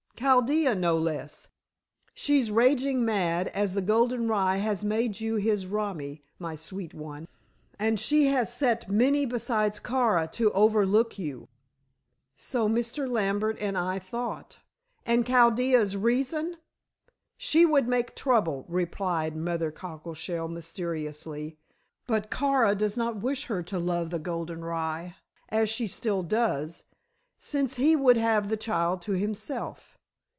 "Chaldea, no less. She's raging mad, as the golden rye has made you his romi, my sweet one, and she has set many besides Kara to overlook you." "So Mr. Lambert and I thought. And Chaldea's reason?" "She would make trouble," replied Mother Cockleshell mysteriously. "But Kara does not wish her to love the golden rye as she still does since he would have the child to himself."